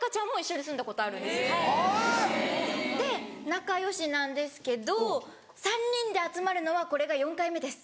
仲良しなんですけど３人で集まるのはこれが４回目です。